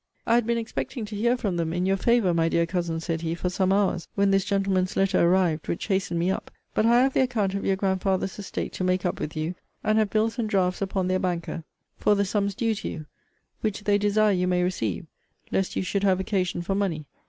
I had been expecting to hear from them in your favour, my dear Cousin, said he, for some hours, when this gentleman's letter arrived, which hastened me up; but I have the account of your grandfather's estate to make up with you, and have bills and drafts upon their banker for the sums due to you; which they desire you may receive, lest you should have occasion for money.